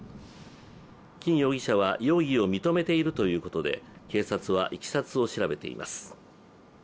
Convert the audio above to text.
金容疑者は容疑を認めているということで警察はいきさつを調べています。